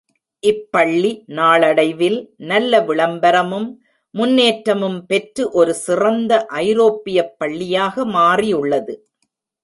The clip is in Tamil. இப்பள்ளி நாளடைவில் நல்ல விளம்பரமும் முன்னேற்றமும் பெற்று ஒரு சிறந்த ஐரோப்பியப் பள்ளியாக மாறியுள்ளது.